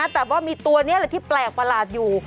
แต่ว่ามีตัวนี้แหละที่แปลกประหลาดอยู่